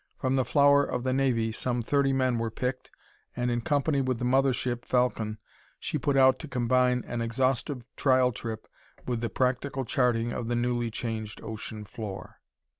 From the flower of the Navy some thirty men were picked, and in company with the mother ship Falcon she put out to combine an exhaustive trial trip with the practical charting of the newly changed ocean floor.